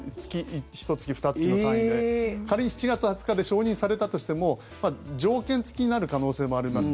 ひと月、ふた月の範囲で仮に７月２０日で承認されたとしても条件付きになる可能性もあります。